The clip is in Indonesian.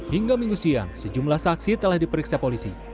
hingga minggu siang sejumlah saksi telah diperiksa polisi